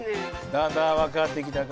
だんだん分かってきたか？